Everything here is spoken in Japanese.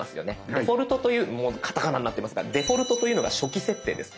デフォルトというカタカナになってますがデフォルトというのが初期設定です。